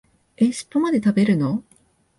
え、しっぽまで食べるの？